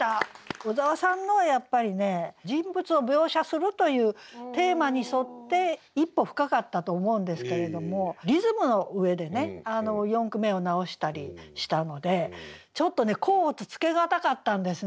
小沢さんのはやっぱりね人物を描写するというテーマに沿って一歩深かったと思うんですけれどもリズムの上でね四句目を直したりしたのでちょっとね甲乙つけがたかったんですね。